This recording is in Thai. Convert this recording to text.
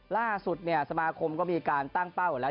ล่าสุดเนี่ยสมาคมก็มีการตั้งเป้าอยู่แล้ว